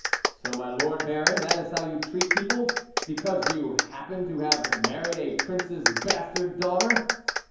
So, my Lord Baron, that is how you treat people, because you happen to have mar ried a Prince's bastard daughter!